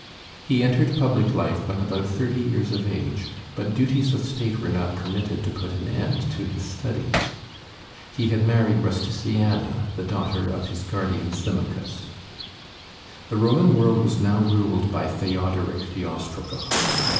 He entered public life when about thirty years of age, but duties of State were not permitted to put an end to his studies. He had married Rusticiana, the daughter of his guardian Symmachus. [Illustration: BOËTIUS] The Roman world was now ruled by Theodoric the Ostrogoth.